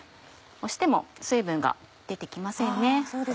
押しても水分が出て来ませんね。